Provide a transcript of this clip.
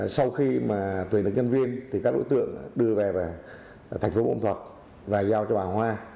sau khi tuyển được nhân viên các đối tượng đưa về thành phố bùi ma thuật và giao cho bà hoa